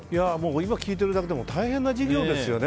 今聞いてるだけでも大変な事業ですよね。